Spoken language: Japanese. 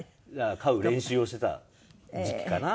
飼う練習をしてた時期かな。